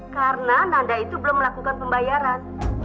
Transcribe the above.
karena nanda itu belum melakukan pembayaran